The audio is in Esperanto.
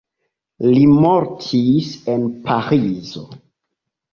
Li mortis en Parizo.